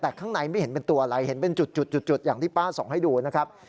แต่ข้างในไม่เห็นเป็นตัวอะไรเห็นเป็นจุดอย่างที่ป้าส่องให้ดูนะครับ